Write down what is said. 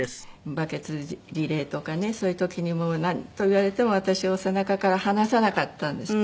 バケツリレーとかねそういう時にもなんと言われても私を背中から離さなかったんですって。